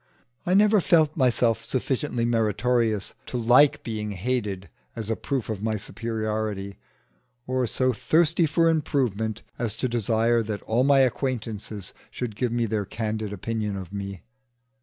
I never felt myself sufficiently meritorious to like being hated as a proof of my superiority, or so thirsty for improvement as to desire that all my acquaintances should give me their candid opinion of me.